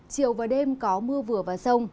chiều và đêm có mưa vừa và sông